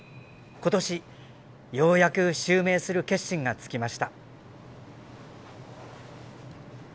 今年、ようやく襲名する決心がつきました。